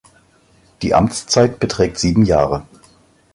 Die Amtszeit beträgt sieben Jahre.